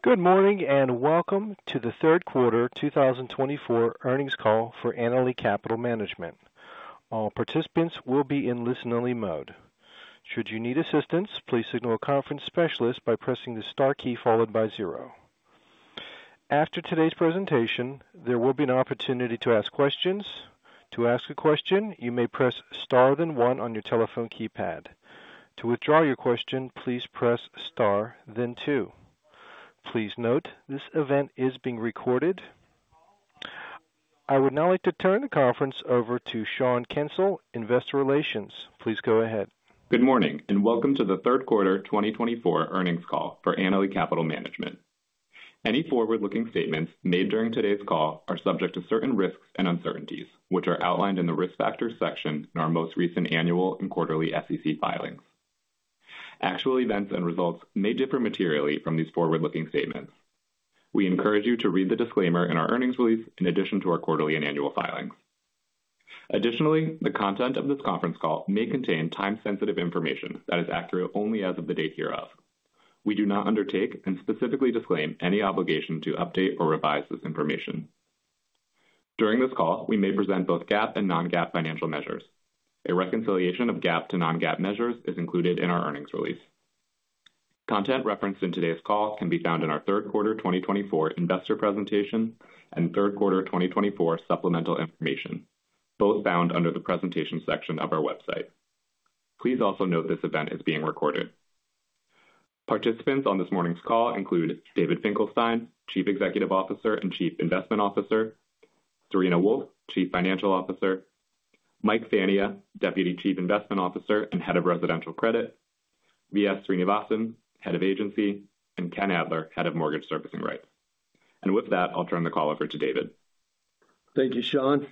Good morning, and welcome to the Third Quarter 2024 Earnings Call for Annaly Capital Management. All participants will be in listen-only mode. Should you need assistance, please signal a conference specialist by pressing the star key followed by zero. After today's presentation, there will be an opportunity to ask questions. To ask a question, you may press Star, then one on your telephone keypad. To withdraw your question, please press star, then two. Please note, this event is being recorded. I would now like to turn the conference over to Sean Kensil, Investor Relations. Please go ahead. Good morning, and welcome to the Third Quarter 2024 Earnings Call For Annaly Capital Management. Any forward-looking statements made during today's call are subject to certain risks and uncertainties, which are outlined in the Risk Factors section in our most recent annual and quarterly SEC filings. Actual events and results may differ materially from these forward-looking statements. We encourage you to read the disclaimer in our earnings release in addition to our quarterly and annual filings. Additionally, the content of this conference call may contain time-sensitive information that is accurate only as of the date hereof. We do not undertake and specifically disclaim any obligation to update or revise this information. During this call, we may present both GAAP and non-GAAP financial measures. A reconciliation of GAAP to non-GAAP measures is included in our earnings release. Content referenced in today's call can be found in our third quarter 2024 investor presentation and third quarter 2024 supplemental information, both found under the Presentation section of our website. Please also note this event is being recorded. Participants on this morning's call include David Finkelstein, Chief Executive Officer and Chief Investment Officer, Serena Wolfe, Chief Financial Officer, Mike Fania, Deputy Chief Investment Officer and Head of Residential Credit, V.S. Srinivasan, Head of Agency, and Ken Adler, Head of Mortgage Servicing Rights. With that, I'll turn the call over to David. Thank you, Sean.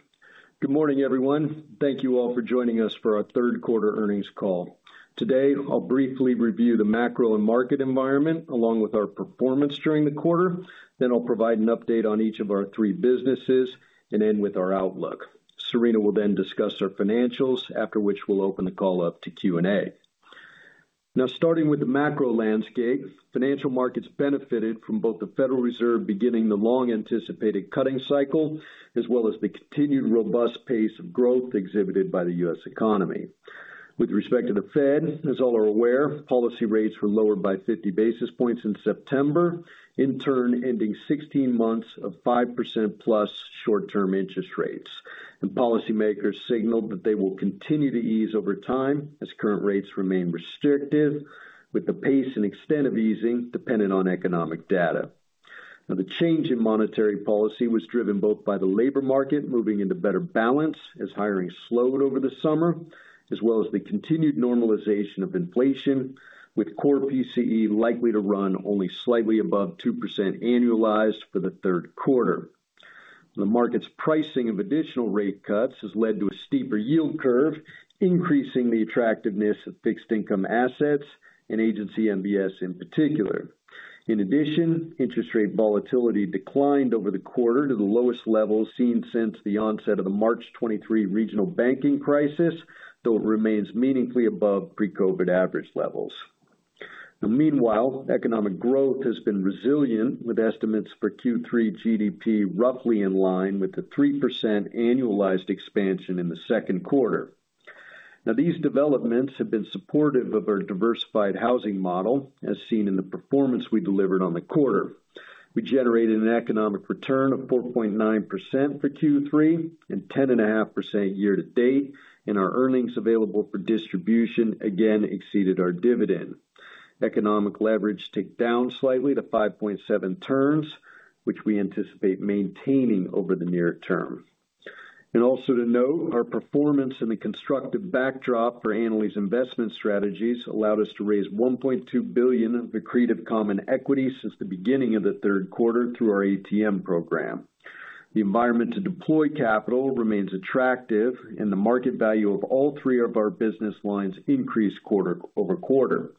Good morning, everyone. Thank you all for joining us for our third quarter earnings call. Today, I'll briefly review the macro and market environment, along with our performance during the quarter, then I'll provide an update on each of our three businesses and end with our outlook. Serena will then discuss our financials, after which we'll open the call up to Q&A. Now, starting with the macro landscape, financial markets benefited from both the Federal Reserve beginning the long-anticipated cutting cycle, as well as the continued robust pace of growth exhibited by the U.S. economy. With respect to the Fed, as all are aware, policy rates were lowered by fifty basis points in September, in turn, ending sixteen months of 5%+ short-term interest rates. The policymakers signaled that they will continue to ease over time as current rates remain restrictive, with the pace and extent of easing dependent on economic data. Now, the change in monetary policy was driven both by the labor market moving into better balance as hiring slowed over the summer, as well as the continued normalization of inflation, with Core PCE likely to run only slightly above 2% annualized for the third quarter. The market's pricing of additional rate cuts has led to a steeper yield curve, increasing the attractiveness of fixed income assets and Agency MBS in particular. In addition, interest rate volatility declined over the quarter to the lowest levels seen since the onset of the March 2023 regional banking crisis, though it remains meaningfully above pre-COVID average levels. Now, meanwhile, economic growth has been resilient, with estimates for Q3 GDP roughly in line with the 3% annualized expansion in the second quarter. Now, these developments have been supportive of our diversified housing model, as seen in the performance we delivered on the quarter. We generated an economic return of 4.9% for Q3 and 10.5% year-to-date, and our earnings available for distribution again exceeded our dividend. Economic leverage ticked down slightly to 5.7 turns, which we anticipate maintaining over the near term. And also to note, our performance in the constructive backdrop for Annaly's investment strategies allowed us to raise $1.2 billion of accretive common equity since the beginning of the third quarter through our ATM program. The environment to deploy capital remains attractive, and the market value of all three of our business lines increased quarter-over-quarter.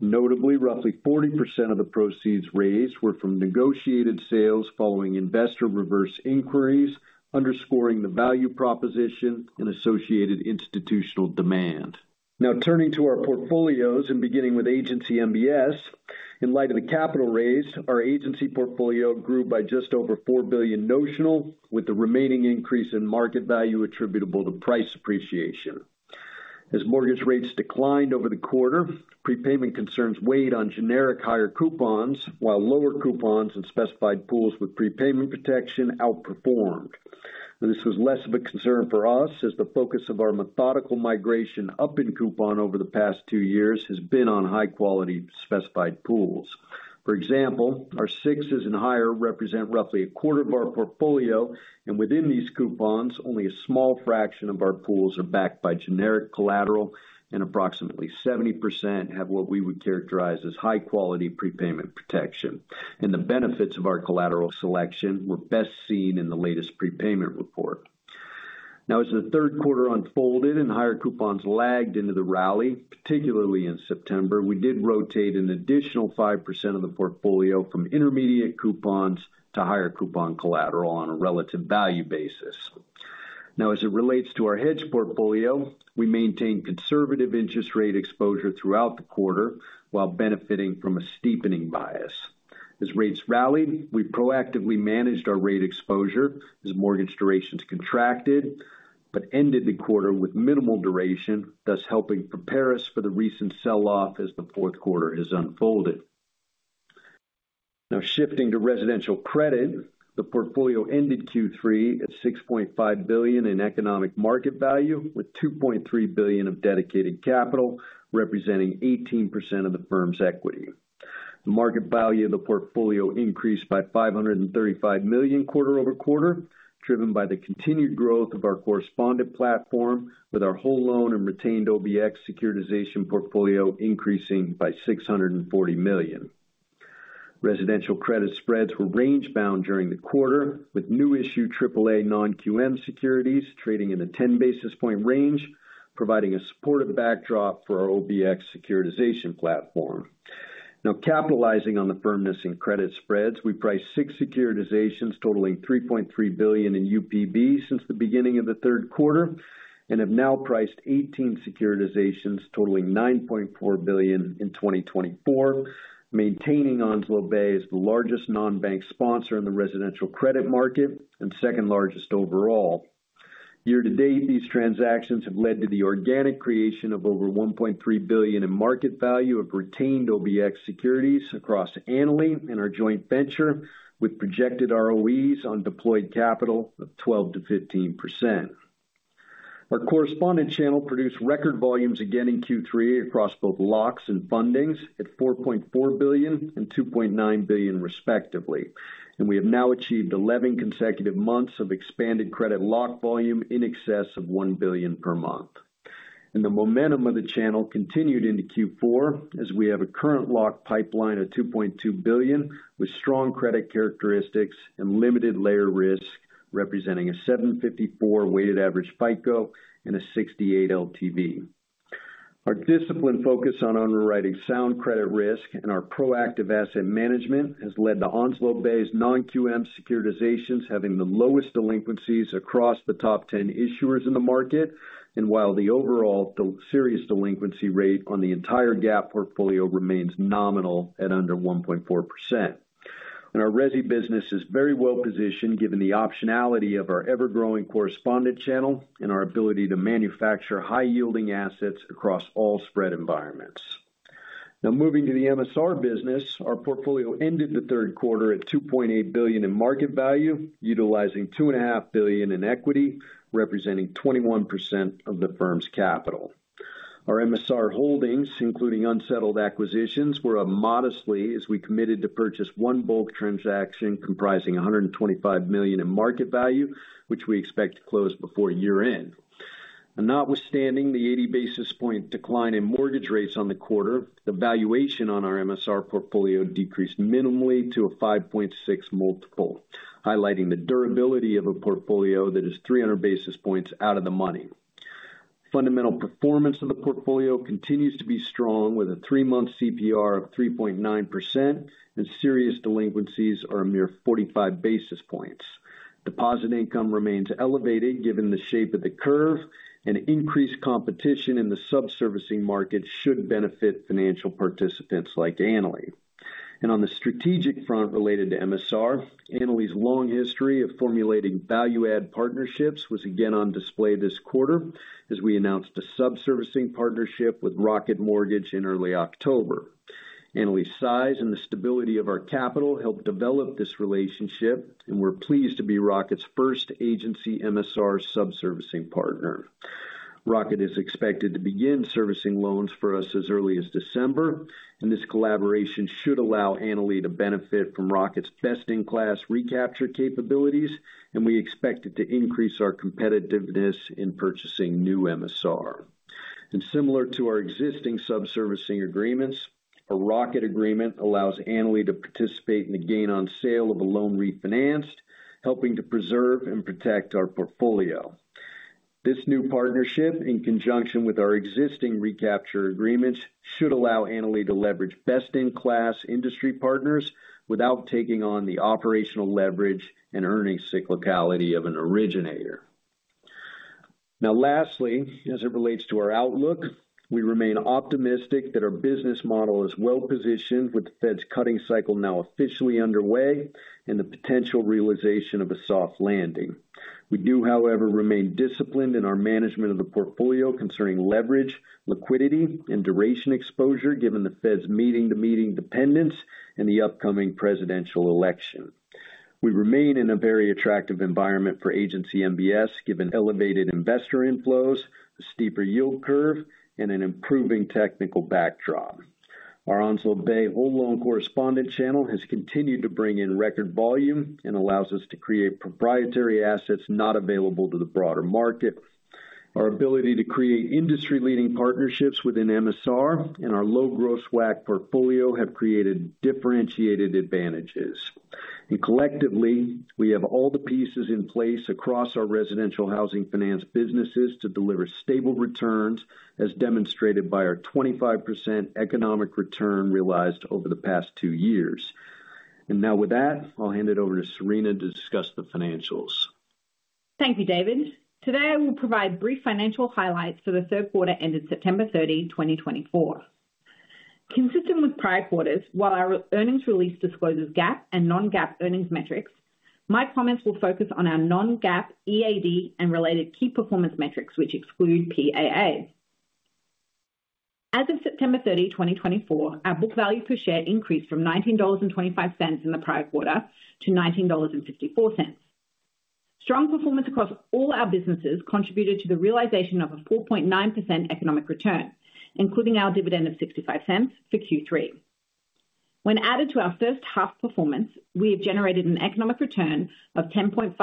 Notably, roughly 40% of the proceeds raised were from negotiated sales following investor reverse inquiries, underscoring the value proposition and associated institutional demand. Now turning to our portfolios and beginning with Agency MBS. In light of the capital raise, our agency portfolio grew by just over $4 billion notional, with the remaining increase in market value attributable to price appreciation. As mortgage rates declined over the quarter, prepayment concerns weighed on generic higher coupons, while lower coupons and specified pools with prepayment protection outperformed. This was less of a concern for us, as the focus of our methodical migration up in coupon over the past two years has been on high-quality specified pools. For example, our sixes and higher represent roughly a quarter of our portfolio, and within these coupons, only a small fraction of our pools are backed by generic collateral, and approximately 70% have what we would characterize as high-quality prepayment protection, and the benefits of our collateral selection were best seen in the latest prepayment report. Now, as the third quarter unfolded and higher coupons lagged into the rally, particularly in September, we did rotate an additional 5% of the portfolio from intermediate coupons to higher coupon collateral on a relative value basis. Now, as it relates to our hedge portfolio, we maintained conservative interest rate exposure throughout the quarter, while benefiting from a steepening bias. As rates rallied, we proactively managed our rate exposure as mortgage durations contracted, but ended the quarter with minimal duration, thus helping prepare us for the recent sell-off as the fourth quarter has unfolded. Now, shifting to residential credit, the portfolio ended Q3 at $6.5 billion in economic market value, with $2.3 billion of dedicated capital, representing 18% of the firm's equity. The market value of the portfolio increased by $535 million quarter-over-quarter, driven by the continued growth of our correspondent platform, with our whole loan and retained OBX securitization portfolio increasing by $640 million. Residential credit spreads were range-bound during the quarter, with new issue AAA non-QM securities trading in a 10 basis point range, providing a supportive backdrop for our OBX securitization platform. Now, capitalizing on the firmness in credit spreads, we priced six securitizations totaling $3.3 billion in UPB since the beginning of the third quarter, and have now priced 18 securitizations totaling $9.4 billion in 2024, maintaining Onslow Bay as the largest non-bank sponsor in the residential credit market and second largest overall. Year-to-date, these transactions have led to the organic creation of over $1.3 billion in market value of retained OBX securities across Annaly and our joint venture, with projected ROEs on deployed capital of 12%-15%. Our correspondent channel produced record volumes again in Q3 across both locks and fundings, at $4.4 billion and $2.9 billion, respectively. We have now achieved 11 consecutive months of expanded credit lock volume in excess of $1 billion per month. And the momentum of the channel continued into Q4, as we have a current lock pipeline of $2.2 billion, with strong credit characteristics and limited layer risk, representing a 754 weighted average FICO and a 68 LTV. Our disciplined focus on underwriting sound credit risk and our proactive asset management has led to Onslow Bay's non-QM securitizations having the lowest delinquencies across the top ten issuers in the market, and while the overall serious delinquency rate on the entire GAAP portfolio remains nominal at under 1.4%. And our resi business is very well positioned, given the optionality of our ever-growing correspondent channel and our ability to manufacture high-yielding assets across all spread environments. Now, moving to the MSR business, our portfolio ended the third quarter at $2.8 billion in market value, utilizing $2.5 billion in equity, representing 21% of the firm's capital. Our MSR holdings, including unsettled acquisitions, were up modestly as we committed to purchase one bulk transaction comprising $125 million in market value, which we expect to close before year-end. And notwithstanding the 80 basis points decline in mortgage rates on the quarter, the valuation on our MSR portfolio decreased minimally to a 5.6 multiple, highlighting the durability of a portfolio that is 300 basis points out of the money. Fundamental performance of the portfolio continues to be strong, with a 3-month CPR of 3.9%, and serious delinquencies are a mere 45 basis points. Deposit income remains elevated given the shape of the curve, and increased competition in the sub-servicing market should benefit financial participants like Annaly. And on the strategic front related to MSR, Annaly's long history of formulating value-add partnerships was again on display this quarter, as we announced a sub-servicing partnership with Rocket Mortgage in early October. Annaly's size and the stability of our capital helped develop this relationship, and we're pleased to be Rocket's first agency MSR sub-servicing partner. Rocket is expected to begin servicing loans for us as early as December, and this collaboration should allow Annaly to benefit from Rocket's best-in-class recapture capabilities, and we expect it to increase our competitiveness in purchasing new MSR. And similar to our existing sub-servicing agreements, our Rocket agreement allows Annaly to participate in the gain on sale of a loan refinanced, helping to preserve and protect our portfolio. This new partnership, in conjunction with our existing recapture agreements, should allow Annaly to leverage best-in-class industry partners without taking on the operational leverage and earnings cyclicality of an originator. Now lastly, as it relates to our outlook, we remain optimistic that our business model is well positioned with the Fed's cutting cycle now officially underway and the potential realization of a soft landing. We do, however, remain disciplined in our management of the portfolio concerning leverage, liquidity, and duration exposure, given the Fed's meeting-to-meeting dependence and the upcoming presidential election. We remain in a very attractive environment for Agency MBS, given elevated investor inflows, a steeper yield curve, and an improving technical backdrop. Our Onslow Bay whole loan correspondent channel has continued to bring in record volume and allows us to create proprietary assets not available to the broader market. Our ability to create industry-leading partnerships within MSR and our low-gross WAC portfolio have created differentiated advantages, and collectively, we have all the pieces in place across our residential housing finance businesses to deliver stable returns, as demonstrated by our 25% economic return realized over the past two years. ...And now with that, I'll hand it over to Serena to discuss the financials. Thank you, David. Today, I will provide brief financial highlights for the third quarter ended September 30, 2024. Consistent with prior quarters, while our earnings release discloses GAAP and non-GAAP earnings metrics, my comments will focus on our non-GAAP EAD and related key performance metrics, which exclude PAA. As of September 30, 2024, our book value per share increased from $19.25 in the prior quarter to $19.54. Strong performance across all our businesses contributed to the realization of a 4.9% economic return, including our dividend of $0.65 for Q3. When added to our first-half performance, we have generated an economic return of 10.5%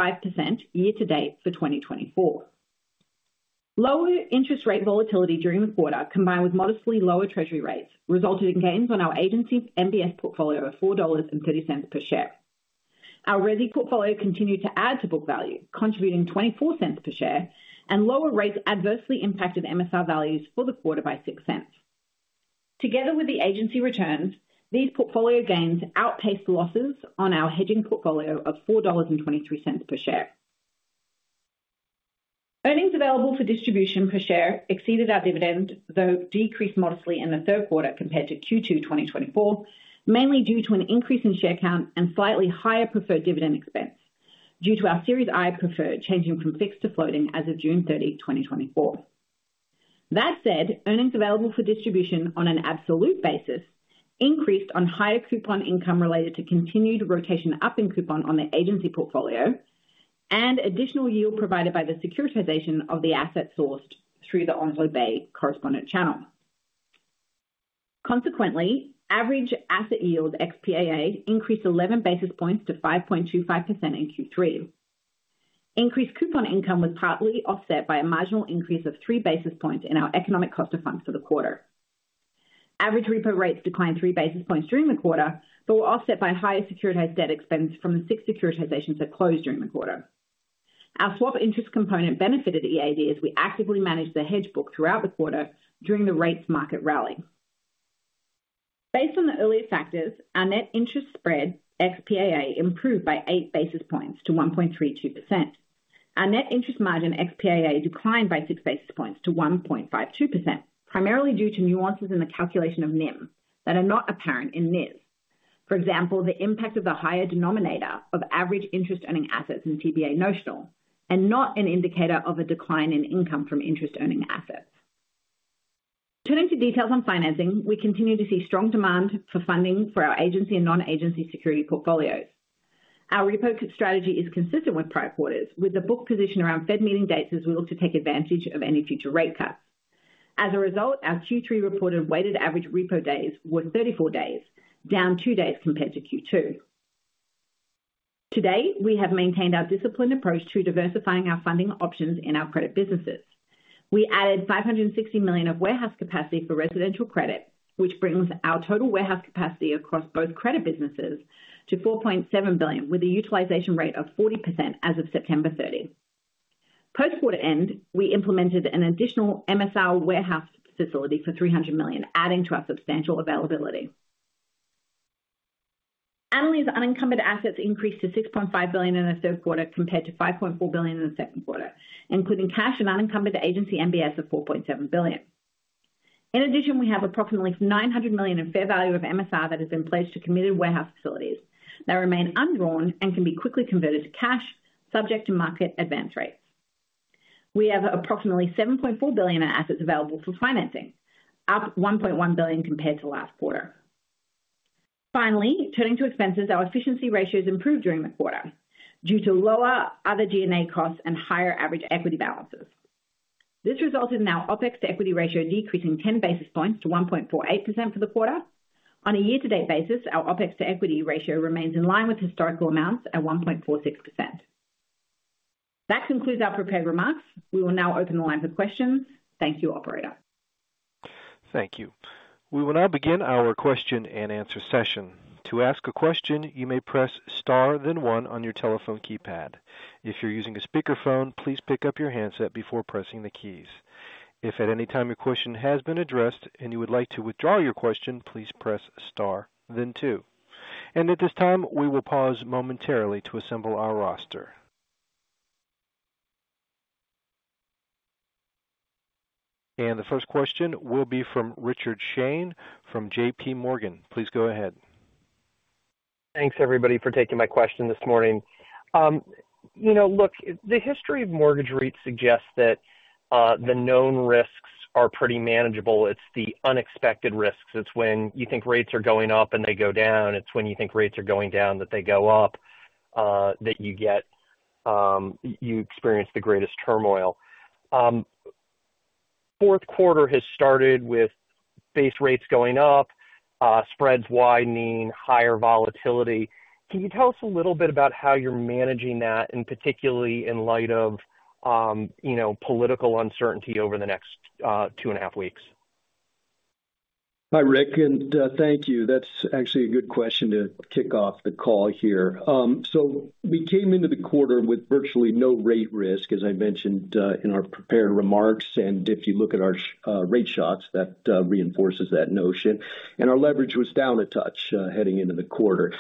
year-to-date for 2024. Lower interest rate volatility during the quarter, combined with modestly lower Treasury rates, resulted in gains on our Agency MBS portfolio of $4.30 per share. Our resi portfolio continued to add to book value, contributing $0.24 per share, and lower rates adversely impacted MSR values for the quarter by $0.06. Together with the Agency returns, these portfolio gains outpaced the losses on our hedging portfolio of $4.23 per share. Earnings available for distribution per share exceeded our dividend, though decreased modestly in the third quarter compared to Q2 2024, mainly due to an increase in share count and slightly higher preferred dividend expense. Due to our Series I preferred, changing from fixed to floating as of June 30, 2024. That said, earnings available for distribution on an absolute basis increased on higher coupon income related to continued rotation up in coupon on the agency portfolio and additional yield provided by the securitization of the assets sourced through the Onslow Bay correspondent channel. Consequently, average asset yield ex PAA increased eleven basis points to 5.25% in Q3. Increased coupon income was partly offset by a marginal increase of three basis points in our economic cost of funds for the quarter. Average repo rates declined three basis points during the quarter, but were offset by higher securitized debt expense from the six securitizations that closed during the quarter. Our swap interest component benefited EAD as we actively managed the hedge book throughout the quarter during the rates market rally. Based on the earlier factors, our net interest spread, ex PAA, improved by eight basis points to 1.32%. Our net interest margin, ex PAA, declined by six basis points to 1.52%, primarily due to nuances in the calculation of NIM that are not apparent in NIS. For example, the impact of the higher denominator of average interest earning assets in TBA notional, and not an indicator of a decline in income from interest earning assets. Turning to details on financing, we continue to see strong demand for funding for our Agency and non-security portfolios. Our repo strategy is consistent with prior quarters, with the book position around Fed meeting dates as we look to take advantage of any future rate cuts. As a result, our Q3 reported weighted average repo days were 34 days, down 2 days compared to Q2. To date, we have maintained our disciplined approach to diversifying our funding options in our credit businesses. We added $560 million of warehouse capacity for residential credit, which brings our total warehouse capacity across both credit businesses to $4.7 billion, with a utilization rate of 40% as of September 30. Post-quarter end, we implemented an additional MSR warehouse facility for $300 million, adding to our substantial availability. Annaly's unencumbered assets increased to $6.5 billion in the third quarter, compared to $5.4 billion in the second quarter, including cash and unencumbered Agency MBS of $4.7 billion. In addition, we have approximately $900 million in fair value of MSR that has been pledged to committed warehouse facilities that remain undrawn and can be quickly converted to cash, subject to market advance rates. We have approximately $7.4 billion in assets available for financing, up $1.1 billion compared to last quarter. Finally, turning to expenses. Our efficiency ratios improved during the quarter due to lower other G&A costs and higher average equity balances. This resulted in our OpEx to equity ratio decreasing 10 basis points to 1.48% for the quarter. On a year-to-date basis, our OpEx to equity ratio remains in line with historical amounts at 1.46%. That concludes our prepared remarks. We will now open the line for questions. Thank you, operator. Thank you. We will now begin our Q&A session. To ask a question, you may press star, then one on your telephone keypad. If you're using a speakerphone, please pick up your handset before pressing the keys. If at any time your question has been addressed and you would like to withdraw your question, please press star, then two. At this time, we will pause momentarily to assemble our roster. The first question will be from Richard Shane from JP Morgan. Please go ahead. Thanks, everybody, for taking my question this morning. You know, look, the history of mortgage rates suggests that the known risks are pretty manageable. It's the unexpected risks. It's when you think rates are going up and they go down. It's when you think rates are going down, that they go up, that you get, you experience the greatest turmoil. Fourth quarter has started with base rates going up, spreads widening, higher volatility. Can you tell us a little bit about how you're managing that, and particularly in light of, you know, political uncertainty over the next two and a half weeks? Hi, Rick, and thank you. That's actually a good question to kick off the call here. So we came into the quarter with virtually no rate risk, as I mentioned in our prepared remarks, and if you look at our rate shocks, that reinforces that notion. And our leverage was down a touch heading into the quarter.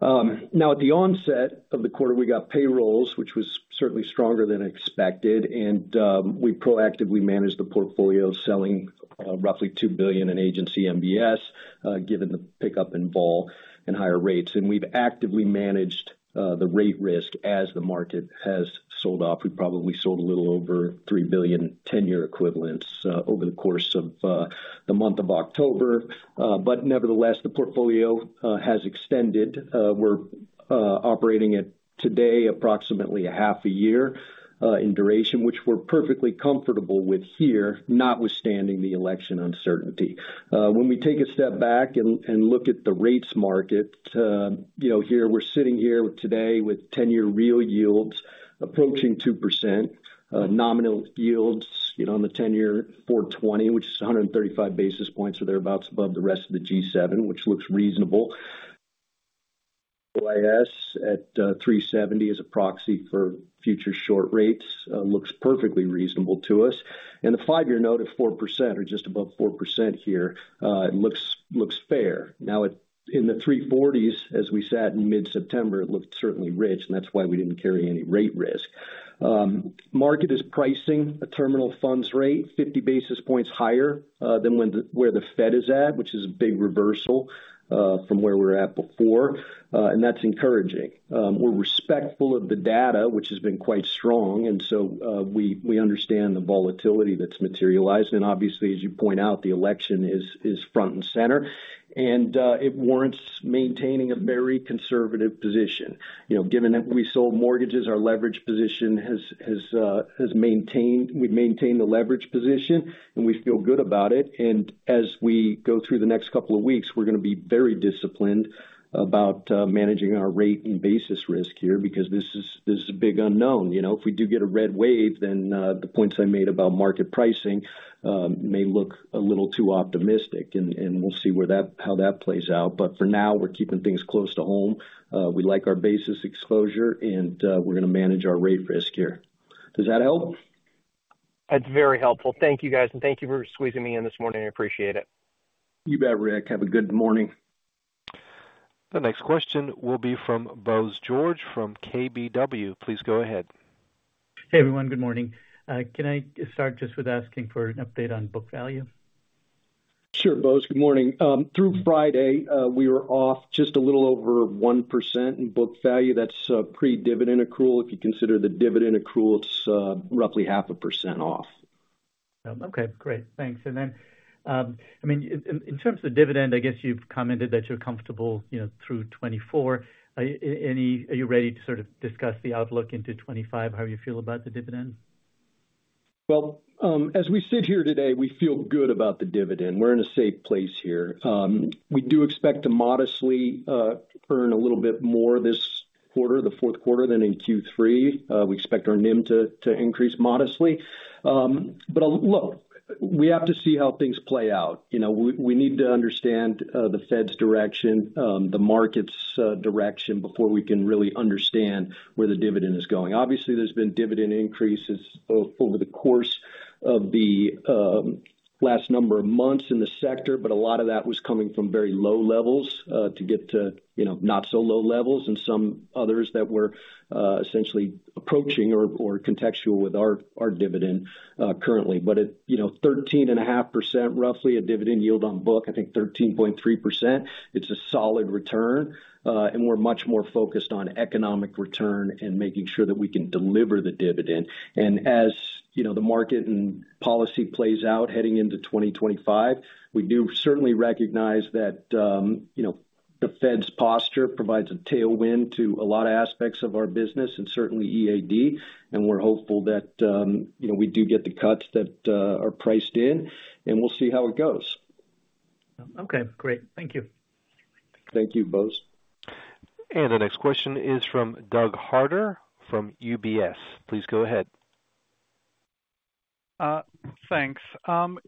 Now, at the onset of the quarter, we got payrolls, which was certainly stronger than expected, and we proactively managed the portfolio, selling roughly $2 billion in Agency MBS given the pickup in vol and higher rates. And we've actively managed the rate risk as the market has sold off. We probably sold a little over $3 billion 10-year equivalents over the course of the month of October. But nevertheless, the portfolio has extended. We're operating it today approximately a half a year in duration, which we're perfectly comfortable with here, notwithstanding the election uncertainty. When we take a step back and look at the rates market, you know, here, we're sitting here today with ten-year real yields approaching 2%, nominal yields, you know, on the ten-year 4.20%, which is a hundred and 35 basis points or thereabouts above the rest of the G7, which looks reasonable. OAS at three seventy as a proxy for future short rates looks perfectly reasonable to us. The five-year note of 4% or just above 4% here looks fair. Now, at in the three forties, as we sat in mid-September, it looked certainly rich, and that's why we didn't carry any rate risk. Market is pricing a terminal funds rate 50 basis points higher than where the Fed is at, which is a big reversal from where we were at before, and that's encouraging. We're respectful of the data, which has been quite strong, and so we understand the volatility that's materialized. And obviously, as you point out, the election is front and center, and it warrants maintaining a very conservative position. You know, given that we sold mortgages, our leverage position has maintained—we've maintained the leverage position, and we feel good about it. And as we go through the next couple of weeks, we're gonna be very disciplined about managing our rate and basis risk here because this is a big unknown. You know, if we do get a red wave, then the points I made about market pricing may look a little too optimistic, and we'll see how that plays out. But for now, we're keeping things close to home. We like our basis exposure, and we're gonna manage our rate risk here. Does that help? That's very helpful. Thank you, guys, and thank you for squeezing me in this morning. I appreciate it. You bet, Rick. Have a good morning. The next question will be from Bose George, from KBW. Please go ahead. Hey, everyone. Good morning. Can I start just with asking for an update on book value? Sure, Bose. Good morning. Through Friday, we were off just a little over 1% in book value. That's pre-dividend accrual. If you consider the dividend accrual, it's roughly 0.5% off. Okay, great. Thanks. And then, I mean, in terms of dividend, I guess you've commented that you're comfortable, you know, through 2024. Are you ready to sort of discuss the outlook into 2025, how you feel about the dividend? Well, as we sit here today, we feel good about the dividend. We're in a safe place here. We do expect to modestly earn a little bit more this quarter, the fourth quarter, than in Q3. We expect our NIM to increase modestly. But look, we have to see how things play out. You know, we need to understand the Fed's direction, the market's direction, before we can really understand where the dividend is going. Obviously, there's been dividend increases over the course of the last number of months in the sector, but a lot of that was coming from very low levels to get to, you know, not so low levels, and some others that were essentially approaching or contextual with our dividend currently. But it... You know, 13.5%, roughly a dividend yield on book, I think 13.3%, it's a solid return. And we're much more focused on economic return and making sure that we can deliver the dividend. And as, you know, the market and policy plays out, heading into 2025, we do certainly recognize that, you know, the Fed's posture provides a tailwind to a lot of aspects of our business and certainly EAD, and we're hopeful that, you know, we do get the cuts that are priced in, and we'll see how it goes. Okay, great. Thank you. Thank you, Bose. The next question is from Doug Harter from UBS. Please go ahead. Thanks. Can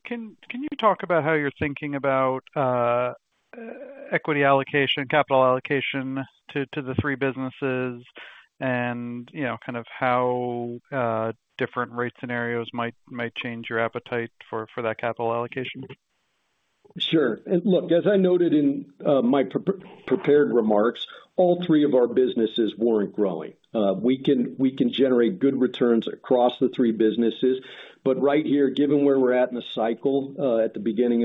you talk about how you're thinking about equity allocation, capital allocation to the three businesses and, you know, kind of how different rate scenarios might change your appetite for that capital allocation? Sure, and look, as I noted in my pre-prepared remarks, all three of our businesses weren't growing. We can generate good returns across the three businesses, but right here, given where we're at in the cycle, at the beginning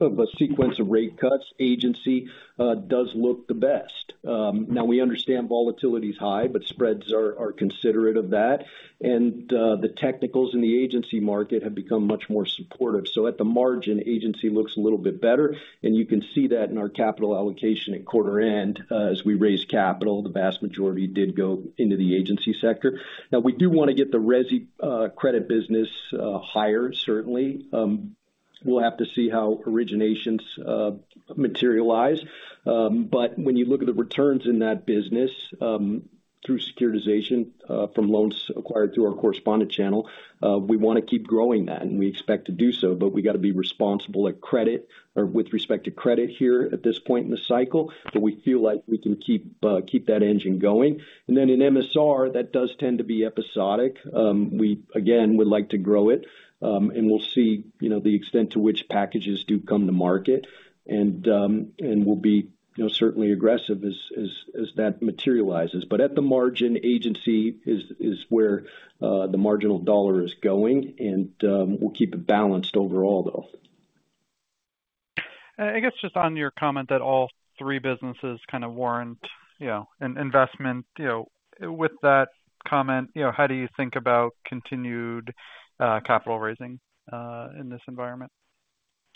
of a sequence of rate cuts, Agency does look the best. Now we understand volatility is high, but spreads are considerate of that, and the technicals in the Agency market have become much more supportive, so at the margin, Agency looks a little bit better, and you can see that in our capital allocation at quarter-end. As we raised capital, the vast majority did go into the Agency sector. Now, we do want to get the resi credit business higher, certainly. We'll have to see how originations materialize. But when you look at the returns in that business, through securitization, from loans acquired through our correspondent channel, we want to keep growing that, and we expect to do so, but we got to be responsible at credit or with respect to credit here at this point in the cycle. But we feel like we can keep that engine going. And then in MSR, that does tend to be episodic. We again would like to grow it. And we'll see, you know, the extent to which packages do come to market. And we'll be, you know, certainly aggressive as that materializes. But at the margin, Agency is where the marginal dollar is going, and we'll keep it balanced overall, though. I guess just on your comment that all three businesses kind of warrant, you know, an investment. You know, with that comment, you know, how do you think about continued capital raising in this environment?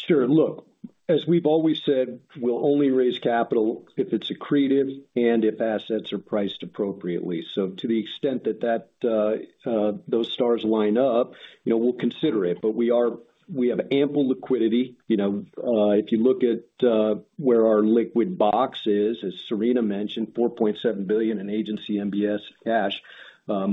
Sure. Look, as we've always said, we'll only raise capital if it's accretive and if assets are priced appropriately. So to the extent that those stars line up, you know, we'll consider it. But we have ample liquidity. You know, if you look at where our liquid book is, as Serena mentioned, $4.7 billion in Agency MBS cash.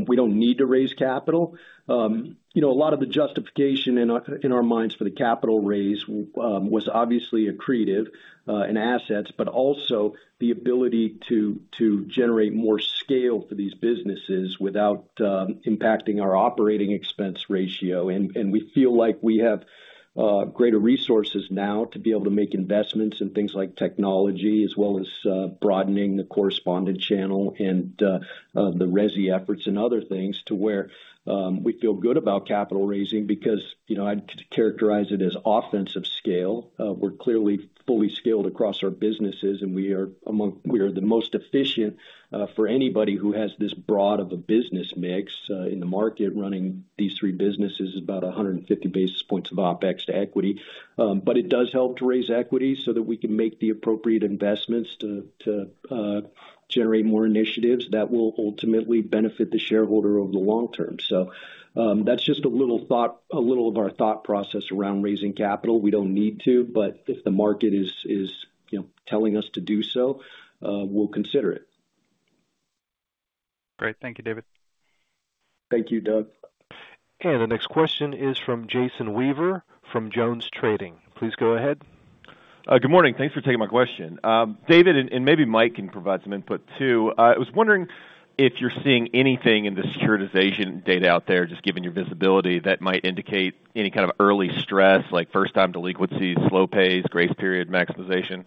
We don't need to raise capital. You know, a lot of the justification in our minds for the capital raise was obviously accretive in assets, but also the ability to generate more scale for these businesses without impacting our operating expense ratio. We feel like we have greater resources now to be able to make investments in things like technology, as well as broadening the correspondent channel and the resi efforts and other things, to where we feel good about capital raising because, you know, I'd characterize it as offensive scale. We're clearly fully scaled across our businesses, and we are among the most efficient for anybody who has this broad of a business mix in the market. Running these three businesses is about 150 basis points of OpEx to equity. But it does help to raise equity so that we can make the appropriate investments to generate more initiatives that will ultimately benefit the shareholder over the long term. That's just a little thought, a little of our thought process around raising capital. We don't need to, but if the market is, you know, telling us to do so, we'll consider it. Great. Thank you, David. Thank you, Doug. The next question is from Jason Weaver from Jones Trading. Please go ahead. Good morning. Thanks for taking my question. David, and maybe Mike can provide some input, too. I was wondering if you're seeing anything in the securitization data out there, just given your visibility, that might indicate any kind of early stress, like first-time delinquencies, slow pays, grace period maximization?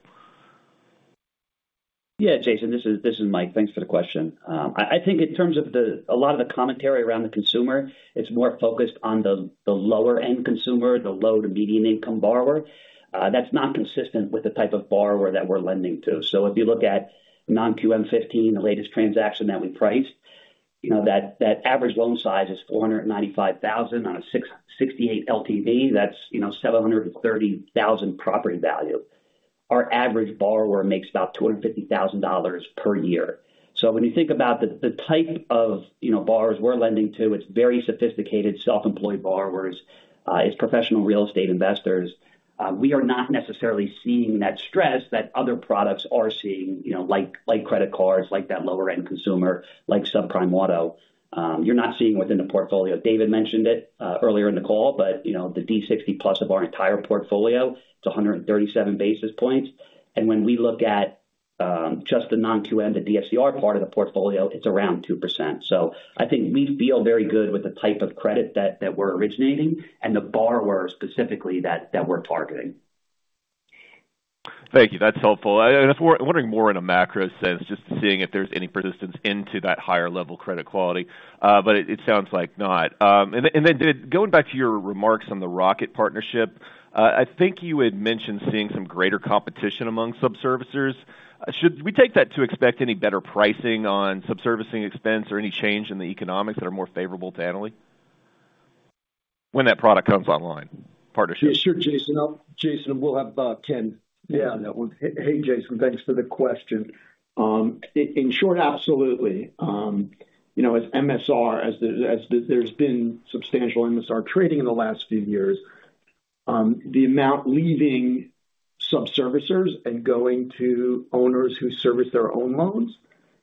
Yeah, Jason, this is Mike. Thanks for the question. I think in terms of a lot of the commentary around the consumer, it's more focused on the lower-end consumer, the low to medium-income borrower. That's not consistent with the type of borrower that we're lending to. So if you look at non-QM fifteen, the latest transaction that we priced, you know, that average loan size is $495,000 on a 68 LTV. That's, you know, $730,000 property value. Our average borrower makes about $250,000 per year. So when you think about the type of, you know, borrowers we're lending to, it's very sophisticated, self-employed borrowers. It's professional real estate investors. We are not necessarily seeing that stress that other products are seeing, you know, like, like credit cards, like that lower-end consumer, like subprime auto. You're not seeing within the portfolio. David mentioned it earlier in the call, but, you know, the D60+ of our entire portfolio, it's a 137 basis points. And when we look at just the non-QM, the DSCR part of the portfolio, it's around 2%. So I think we feel very good with the type of credit that we're originating and the borrowers specifically that we're targeting. Thank you. That's helpful. I'm wondering more in a macro sense, just seeing if there's any persistence into that higher level credit quality. But it sounds like not. And then going back to your remarks on the Rocket partnership, I think you had mentioned seeing some greater competition among sub-servicers. Should we take that to expect any better pricing on sub-servicing expense or any change in the economics that are more favorable to Annaly? When that product comes online, partnership. Sure, Jason. Jason, we'll have Ken get on that one. Hey, Jason. Thanks for the question. In short, absolutely. You know, as the MSR, there's been substantial MSR trading in the last few years, the amount leaving sub-servicers and going to owners who service their own loans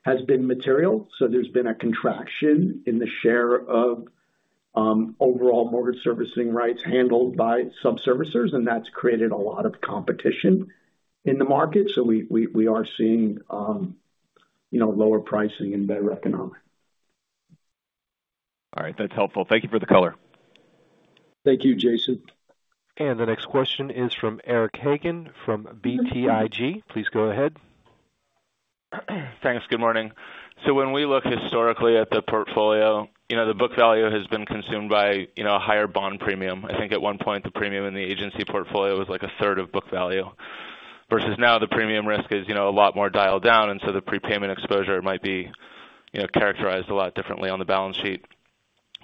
has been material. So there's been a contraction in the share of overall mortgage servicing rights handled by sub-servicers, and that's created a lot of competition in the market. So we are seeing, you know, lower pricing and better economics. All right. That's helpful. Thank you for the color. Thank you, Jason. The next question is from Eric Hagen from BTIG. Please go ahead. Thanks. Good morning. So when we look historically at the portfolio, you know, the book value has been consumed by, you know, a higher bond premium. I think at one point, the premium in the Agency portfolio was, like, a third of book value. Versus now the premium risk is, you know, a lot more dialed down, and so the prepayment exposure might be, you know, characterized a lot differently on the balance sheet.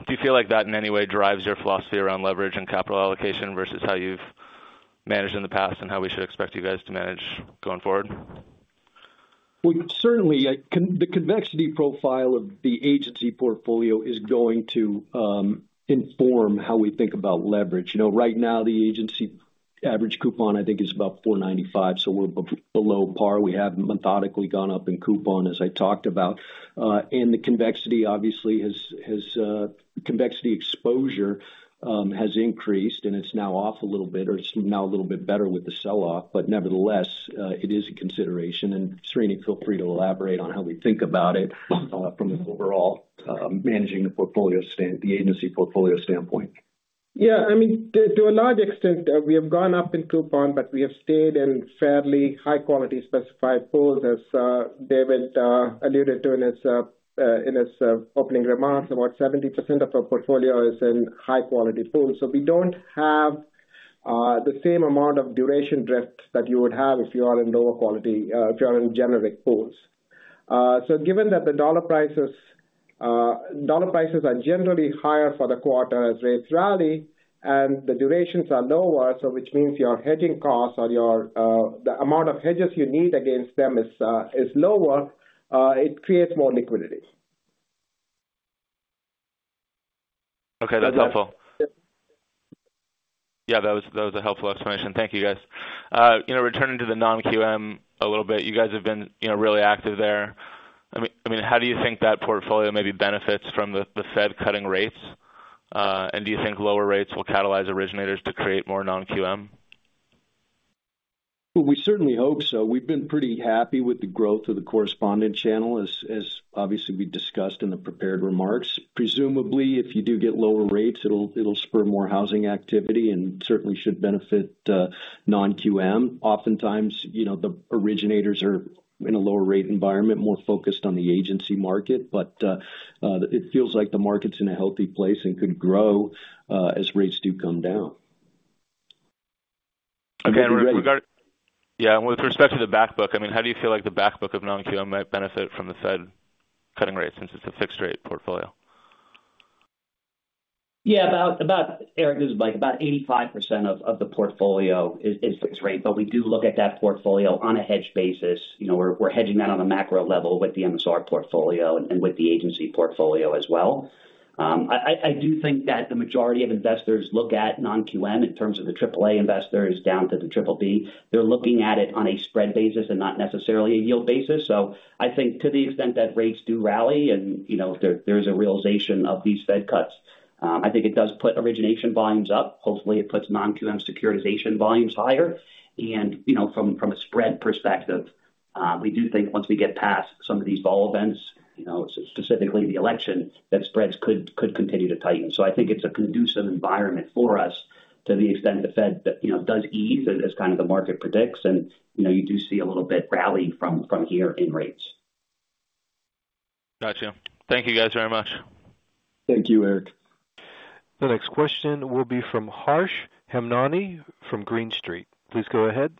Do you feel like that, in any way, drives your philosophy around leverage and capital allocation versus how you've managed in the past and how we should expect you guys to manage going forward? Well, certainly, the convexity profile of the Agency portfolio is going to inform how we think about leverage. You know, right now, the Agency average coupon, I think, is about 495, so we're below par. We have methodically gone up in coupon, as I talked about. And the convexity obviously has convexity exposure, has increased, and it's now off a little bit, or it's now a little bit better with the sell-off, but nevertheless, it is a consideration. And Srini, feel free to elaborate on how we think about it from an overall managing the portfolio standpoint, the Agency portfolio standpoint. Yeah. I mean, to a large extent, we have gone up in coupon, but we have stayed in fairly high quality specified pools, as David alluded to in his opening remarks. About 70% of our portfolio is in high quality pools. So we don't have the same amount of duration drift that you would have if you are in lower quality, if you are in generic pools. So given that the dollar prices are generally higher for the quarter as rates rally and the durations are lower, so which means your hedging costs or your the amount of hedges you need against them is lower, it creates more liquidity. Okay, that's helpful. Yeah, that was, that was a helpful explanation. Thank you, guys. You know, returning to the non-QM a little bit, you guys have been, you know, really active there. I mean, how do you think that portfolio maybe benefits from the Fed cutting rates? And do you think lower rates will catalyze originators to create more non-QM? We certainly hope so. We've been pretty happy with the growth of the correspondent channel, as obviously we discussed in the prepared remarks. Presumably, if you do get lower rates, it'll spur more housing activity and certainly should benefit non-QM. Oftentimes, you know, the originators are in a lower rate environment, more focused on the Agency market, but it feels like the market's in a healthy place and could grow as rates do come down. Again, regarding, yeah, with respect to the back book, I mean, how do you feel like the back book of non-QM might benefit from the Fed cutting rates since it's a fixed rate portfolio? Yeah, about Eric, this is Mike. About 85% of the portfolio is fixed rate, but we do look at that portfolio on a hedged basis. You know, we're hedging that on a macro level with the MSR portfolio and with the Agency portfolio as well. I do think that the majority of investors look at non-QM in terms of the AAA investors down to the BBB. They're looking at it on a spread basis and not necessarily a yield basis. So I think to the extent that rates do rally and, you know, there's a realization of these Fed cuts, I think it does put origination volumes up. Hopefully, it puts non-QM securitization volumes higher. You know, from a spread perspective, we do think once we get past some of these vol events, you know, specifically the election, that spreads could continue to tighten. So I think it's a conducive environment for us to the extent the Fed, you know, does ease as kind of the market predicts, and, you know, you do see a little bit rally from here in rates. Gotcha. Thank you, guys, very much. Thank you, Eric. The next question will be from Harsh Hemnani from Green Street. Please go ahead.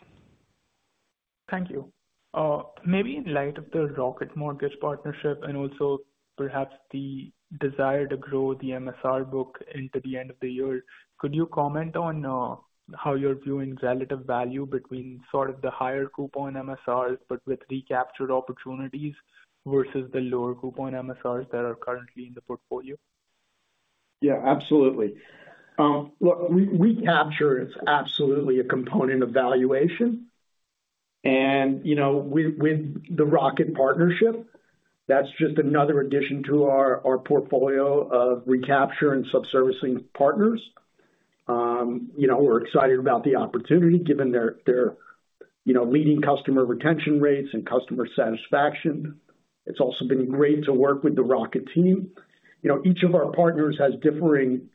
Thank you. Maybe in light of the Rocket Mortgage partnership, and also perhaps the desire to grow the MSR book into the end of the year, could you comment on how you're viewing relative value between sort of the higher coupon MSRs, but with recaptured opportunities versus the lower coupon MSRs that are currently in the portfolio? Yeah, absolutely. Well, recapture is absolutely a component of valuation, and you know, with the Rocket partnership, that's just another addition to our portfolio of recapture and sub-servicing partners. You know, we're excited about the opportunity given their, you know, leading customer retention rates and customer satisfaction. It's also been great to work with the Rocket team. You know, each of our partners has differing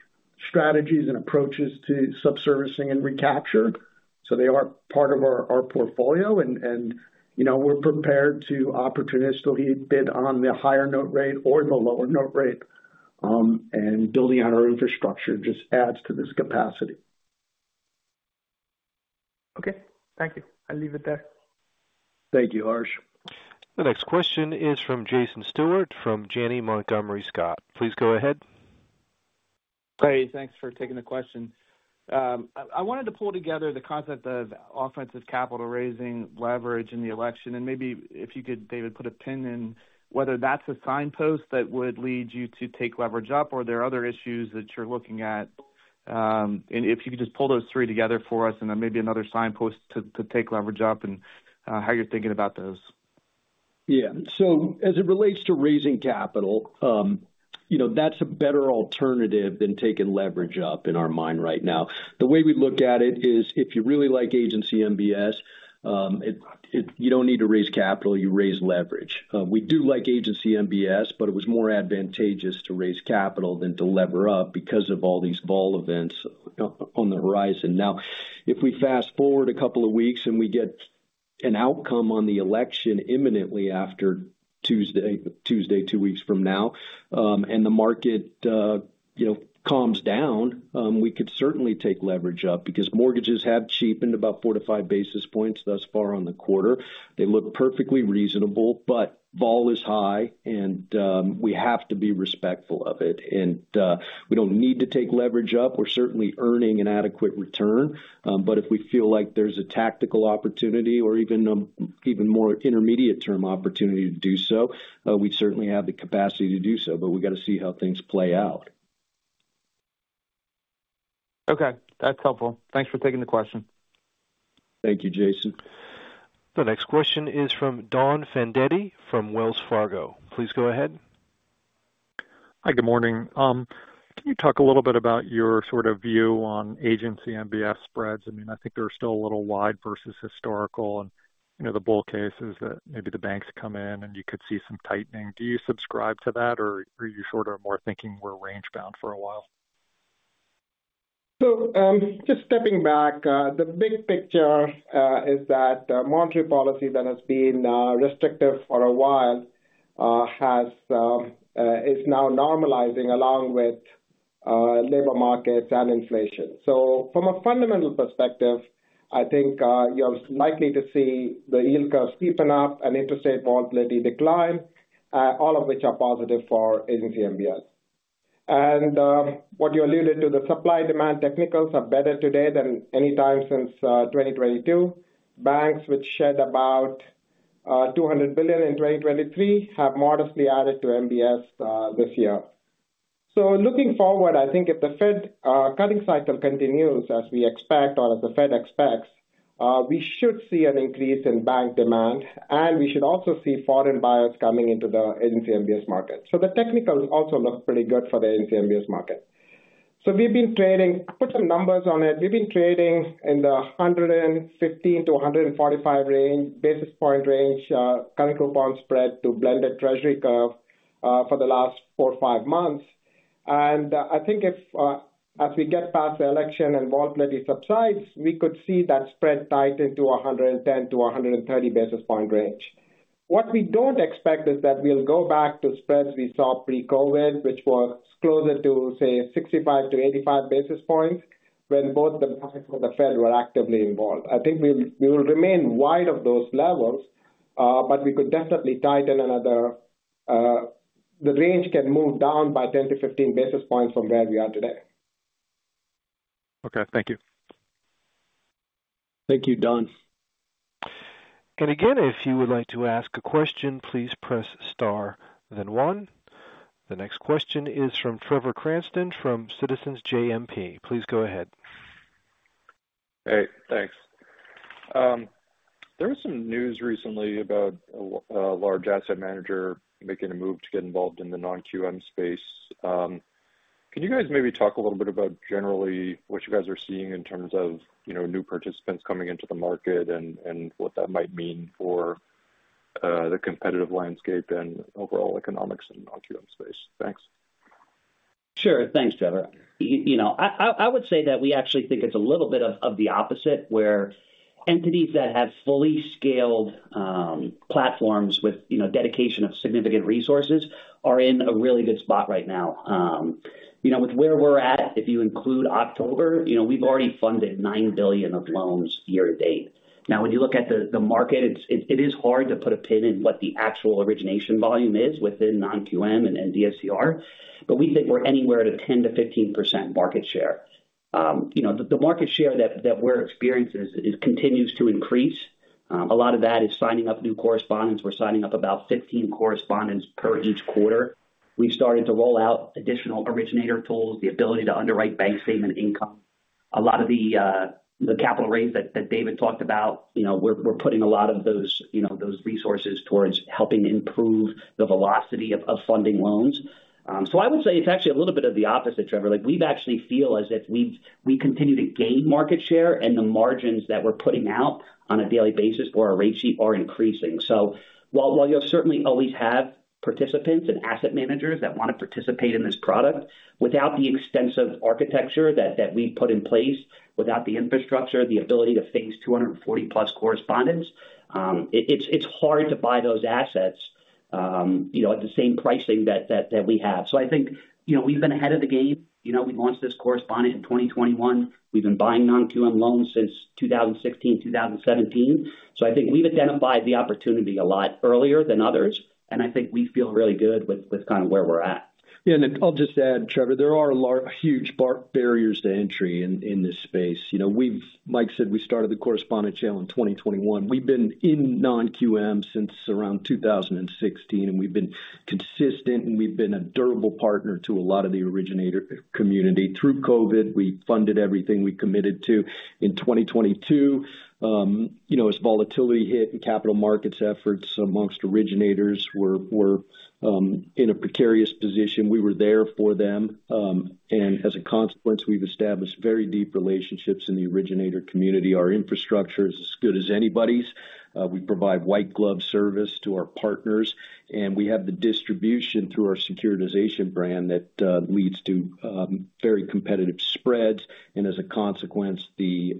strategies and approaches to sub-servicing and recapture, so they are part of our portfolio and, you know, we're prepared to opportunistically bid on the higher note rate or the lower note rate, and building out our infrastructure just adds to this capacity. Okay. Thank you. I'll leave it there. Thank you, Harsh. The next question is from Jason Stewart, from Janney Montgomery Scott. Please go ahead. Hey, thanks for taking the question. I wanted to pull together the concept of offensive capital raising leverage in the election, and maybe if you could, David, put a pin in whether that's a signpost that would lead you to take leverage up or are there other issues that you're looking at? And if you could just pull those three together for us, and then maybe another signpost to take leverage up and how you're thinking about those. Yeah. So as it relates to raising capital, you know, that's a better alternative than taking leverage up in our mind right now. The way we look at it is, if you really like Agency MBS, you don't need to raise capital, you raise leverage. We do like Agency MBS, but it was more advantageous to raise capital than to lever up because of all these vol events on the horizon. Now, if we fast-forward a couple of weeks, and we get an outcome on the election imminently after Tuesday, two weeks from now, and the market, you know, calms down, we could certainly take leverage up because mortgages have cheapened about 4 to 5 basis points thus far on the quarter. They look perfectly reasonable, but vol is high, and, we have to be respectful of it. We don't need to take leverage up. We're certainly earning an adequate return. But if we feel like there's a tactical opportunity or even more intermediate-term opportunity to do so, we certainly have the capacity to do so, but we've got to see how things play out.... Okay, that's helpful. Thanks for taking the question. Thank you, Jason. The next question is from Don Fandetti from Wells Fargo. Please go ahead. Hi, good morning. Can you talk a little bit about your sort of view on Agency MBS spreads? I mean, I think they're still a little wide versus historical, and, you know, the bull case is that maybe the banks come in, and you could see some tightening. Do you subscribe to that, or are you sort of more thinking we're range-bound for a while? So, just stepping back, the big picture is that monetary policy that has been restrictive for a while is now normalizing along with labor markets and inflation. From a fundamental perspective, I think you're likely to see the yield curve steepen up and interest rate volatility decline, all of which are positive for Agency MBS. And what you alluded to, the supply-demand technicals are better today than any time since 2022. Banks, which shed about $200 billion in 2023, have modestly added to MBS this year. So looking forward, I think if the Fed cutting cycle continues, as we expect or the Fed expects, we should see an increase in bank demand, and we should also see foreign buyers coming into the Agency MBS market. So the technicals also look pretty good for the Agency MBS market. So we've been trading. I put some numbers on it. We've been trading in the 115 to 145 range, basis point range, current coupon spread to blended Treasury curve, for the last four, five months. And, I think if, as we get past the election and volatility subsides, we could see that spread tighten to a 110 to 130 basis point range. What we don't expect is that we'll go back to spreads we saw pre-COVID, which was closer to, say, 65 to 85 basis points, when both the banks and the Fed were actively involved. I think we will remain wide of those levels, but we could definitely tighten another. The range can move down by 10 to 15 basis points from where we are today. Okay, thank you. Thank you, Don. And again, if you would like to ask a question, please press star then one. The next question is from Trevor Cranston, from Citizens JMP. Please go ahead. Hey, thanks. There was some news recently about a large asset manager making a move to get involved in the non-QM space. Can you guys maybe talk a little bit about generally what you guys are seeing in terms of, you know, new participants coming into the market and what that might mean for the competitive landscape and overall economics in the non-QM space? Thanks. Sure. Thanks, Trevor. You know, I would say that we actually think it's a little bit of the opposite, where entities that have fully scaled platforms with, you know, dedication of significant resources are in a really good spot right now. You know, with where we're at, if you include October, you know, we've already funded $9 billion of loans year-to-date. Now, when you look at the market, it is hard to put a pin in what the actual origination volume is within non-QM and DSCR, but we think we're anywhere at a 10% to 15% market share. You know, the market share that we're experiencing continues to increase. A lot of that is signing up new correspondents. We're signing up about 15 correspondents per each quarter. We've started to roll out additional originator tools, the ability to underwrite bank statement income. A lot of the capital raise that David talked about, you know, we're putting a lot of those, you know, those resources towards helping improve the velocity of funding loans. So I would say it's actually a little bit of the opposite, Trevor. Like, we actually feel as if we continue to gain market share, and the margins that we're putting out on a daily basis for our rate sheet are increasing. So while you'll certainly always have participants and asset managers that want to participate in this product, without the extensive architecture that we've put in place, without the infrastructure, the ability to face 240+ correspondents, it's hard to buy those assets, you know, at the same pricing that we have. So I think, you know, we've been ahead of the game. You know, we launched this correspondent in 2021. We've been buying non-QM loans since 2016, 2017. So I think we've identified the opportunity a lot earlier than others, and I think we feel really good with kind of where we're at. Yeah, Mike, I'll just add, Trevor, there are huge barriers to entry in this space. You know, Mike said we started the correspondent channel in 2021. We've been in non-QM since around 2016, and we've been consistent, and we've been a durable partner to a lot of the originator community. Through COVID, we funded everything we committed to. In 2022, you know, as volatility hit and capital markets efforts amongst originators were in a precarious position, we were there for them. And as a consequence, we've established very deep relationships in the originator community. Our infrastructure is as good as anybody's. We provide white glove service to our partners, and we have the distribution through our securitization brand that leads to very competitive spreads. And as a consequence, the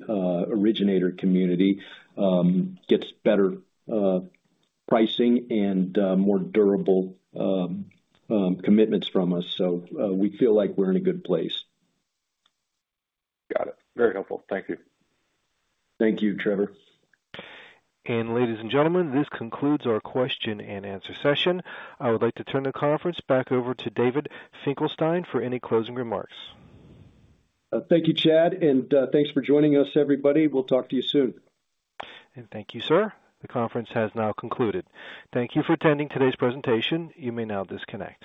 originator community gets better pricing and more durable commitments from us. So, we feel like we're in a good place. Got it. Very helpful. Thank you. Thank you, Trevor. Ladies and gentlemen, this concludes our Q&A session. I would like to turn the conference back over to David Finkelstein for any closing remarks. Thank you, Chad, and, thanks for joining us, everybody. We'll talk to you soon. Thank you, sir. The conference has now concluded. Thank you for attending today's presentation. You may now disconnect.